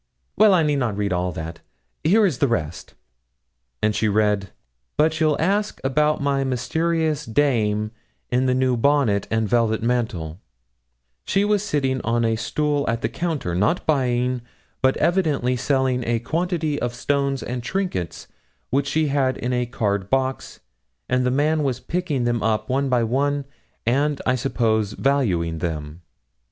Well, I need not read all that here is the rest;' and she read '"But you'll ask about my mysterious dame in the new bonnet and velvet mantle; she was sitting on a stool at the counter, not buying, but evidently selling a quantity of stones and trinkets which she had in a card box, and the man was picking them up one by one, and, I suppose, valuing them.